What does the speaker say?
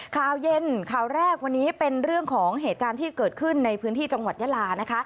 ข่าวเย็นข่าวแรกวันนี้เป็นเรื่องของเหตุการณ์ที่เกิดขึ้นในพื้นที่จังหวัดยาลานะคะ